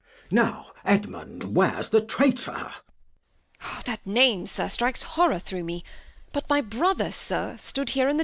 Now, Edmund, where's the Traytour ? Bast. That Name, Sir, Strikes Horrour through me ; but my Brother, Sir, Stood here i'th' Dark.